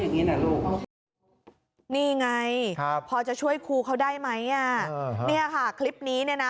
นี่ค่ะคลิปนี้นี่น่ะ